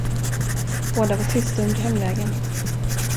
Båda var tysta under hemvägen.